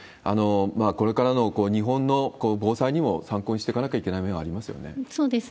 これからの日本の防災にも参考にしていかなきゃいけない面はありますよね。